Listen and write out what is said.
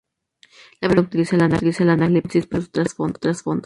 La primera temporada utiliza la analepsis para mostrar su trasfondo.